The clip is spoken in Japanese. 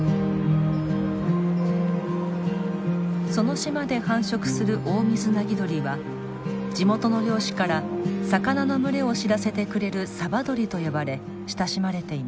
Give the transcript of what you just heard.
その島で繁殖するオオミズナギドリは地元の漁師から魚の群れを知らせてくれる「サバドリ」と呼ばれ親しまれています。